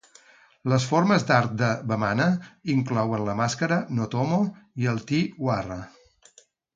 Les formes d'art de Bamana inclouen la màscara "no tomo" i el Tyi Warra.